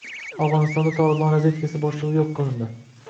Afg‘onistonda “Tolibon” razvedkasi boshlig‘i yo‘q qilindi